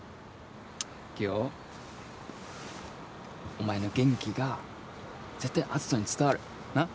お前の元気が絶対篤斗に伝わるなっ。